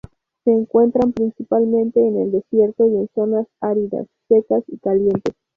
Se encuentran principalmente en el desierto y en zonas áridas, secas y calientes.